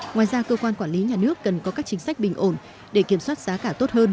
ngoài ra cơ quan quản lý nhà nước cần có các chính sách bình ổn để kiểm soát giá cả tốt hơn